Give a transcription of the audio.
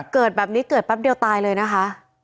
เกิดแบบนี้เกิดแป๊บเดียวตายเลยนะคะ